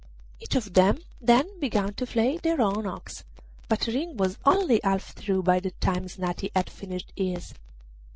Each of them then began to flay their own ox, but Ring was only half through by the time Snati had finished his.